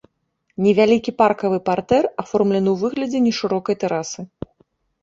Невялікі паркавы партэр аформлены ў выглядзе нешырокай тэрасы.